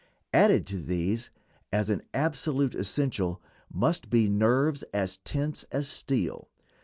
Added to these, as an absolute essential, must be nerves as tense as steel.